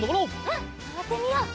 うんのぼってみよう。